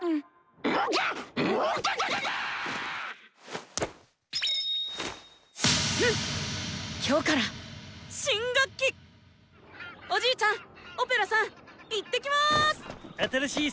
うん！